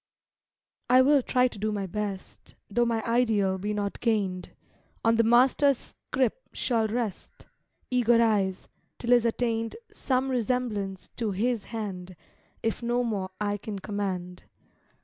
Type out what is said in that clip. I will try to do my best, Though my ideal be not gained; On the Master's scrip shall rest Eager eyes, till is attained Some resemblance to His hand; If no more I can command.